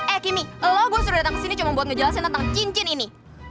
eh kimi lo gua suruh datang ke sini cuma buat ngejelasin tentang cincin ini